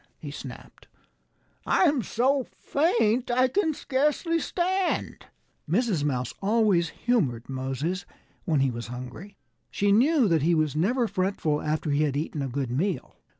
he snapped. "I'm so faint I can scarcely stand." Mrs. Mouse always humored Moses when he was hungry. She knew that he was never fretful after he had eaten a good meal.